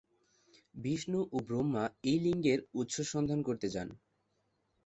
বিষ্ণু ও ব্রহ্মা এই লিঙ্গের উৎস অনুসন্ধান করতে যান।